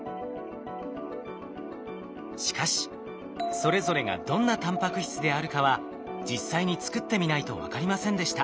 しかしそれぞれがどんなタンパク質であるかは実際に作ってみないと分かりませんでした。